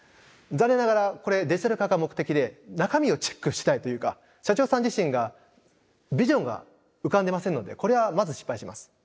残念ながらこれデジタル化が目的で中身をチェックしていないというか社長さん自身がビジョンが浮かんでませんのでこれはまず失敗します。